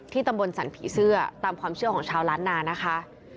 ตำบลสรรผีเสื้อตามความเชื่อของชาวล้านนานะคะ